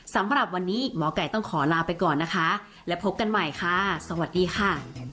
สำหรับวันนี้หมอไก่ต้องขอลาไปก่อนนะคะและพบกันใหม่ค่ะสวัสดีค่ะ